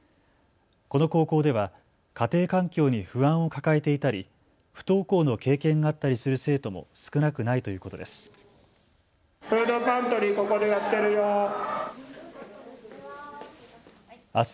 この高校では家庭環境に不安を抱えていたり、不登校の経験があったりする生徒も少なくないということです。